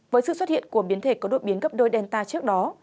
với sự xuất hiện của biến thể có đột biến gấp đôi denta trước đó